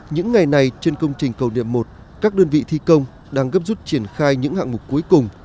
những ngày này trên công trình cầu điểm một các đơn vị thi công đang gấp rút triển khai những hạng mục cuối cùng